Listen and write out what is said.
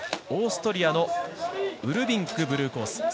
オーストリアのウルビングブルーコース。